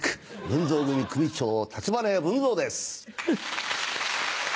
文蔵組組長橘家文蔵です。